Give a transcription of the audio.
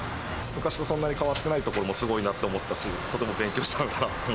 昔とそんなに変わってないところもすごいなと思ったし、とても勉